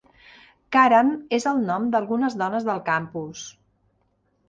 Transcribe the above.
Karen és el nom d'algunes dones del campus.